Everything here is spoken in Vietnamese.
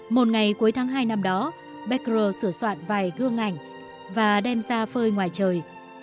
một ngày cuối tháng hai năm đó beckerer sửa soạn vài gương ảnh và đem ra phơi ngoài trời